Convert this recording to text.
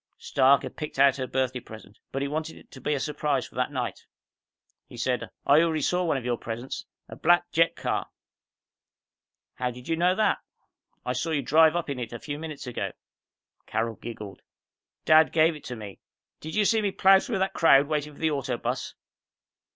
Stark had picked out her birthday present, but he wanted it to be a surprise for that night. He said, "I already saw one of your presents. A black jet car!" "How did you know that?" "I saw you drive up in it a few minutes ago." Carol giggled. "Dad gave it to me. Did you see me plow through that crowd waiting for the auto bus?"